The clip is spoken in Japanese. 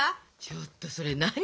ちょっとそれ何？